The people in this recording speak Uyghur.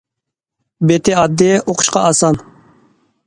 بېتى ئاددىي، ئوقۇشقا ئاسان.